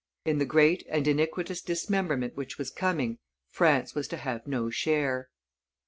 In the great and iniquitous dismemberment which was coming, France was to have no share.